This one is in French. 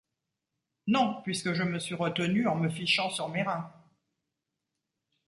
Non, puisque je me suis retenue en me fichant sur mes reins.